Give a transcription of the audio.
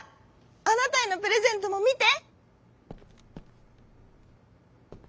あなたへのプレゼントもみて！」。